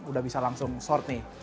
udah bisa langsung short nih